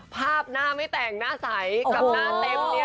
ภาพหน้าไม่แต่งหน้าใสกับหน้าเต็มเนี่ย